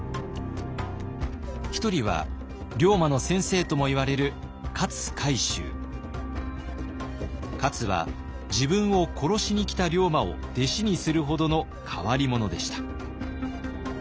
一人は龍馬の先生ともいわれる勝は自分を殺しに来た龍馬を弟子にするほどの変わり者でした。